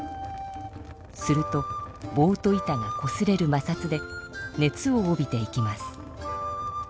するとぼうと板がこすれるまさつで熱を帯びていきます。